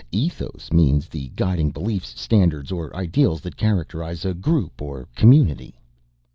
Ethos means the guiding beliefs, standards or ideals that characterize a group or community."